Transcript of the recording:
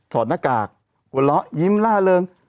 ถอดหน้ากากหวัดล้อยิ้มล่าเริง